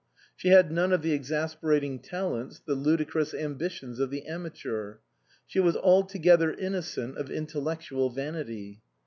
She had none of the ex asperating talents, the ludicrous ambitions of the amateur ; she was altogether innocent of intellectual vanity.